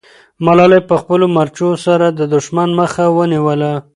ملالۍ په خپلو مرچو سره د دښمن مخه ونیوله.